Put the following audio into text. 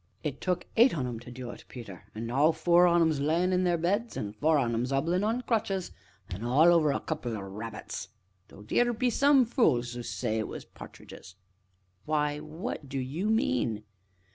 "It took eight on 'em to du it, Peter, an' now four on 'em's a layin' in their beds, an' four on 'em's 'obblin' on crutches an' all over a couple o' rabbits though theer be some fules as says they was pa'tridges!" "Why what do you mean?"